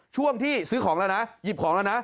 ช่วงที่ซื้อของแล้วนะหยิบของแล้วนะ